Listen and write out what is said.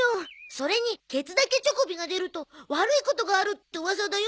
それにケツだけチョコビが出ると悪いことがあるって噂だよ。